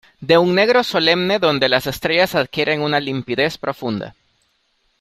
de un negro solemne donde las estrellas adquieren una limpidez profunda.